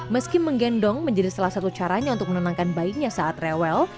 meski menggendong menjadi salah satu caranya untuk menenangkan bayinya saat rewel